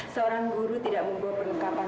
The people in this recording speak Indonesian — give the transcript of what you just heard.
seorang guru tidak membawa perlengkapan